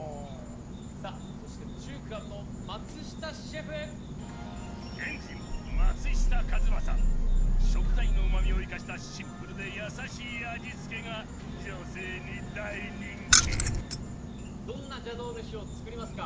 さあそして中華の松下シェフ食材のうまみを生かしたシンプルで優しい味付けが女性に大人気どんな邪道メシを作りますか？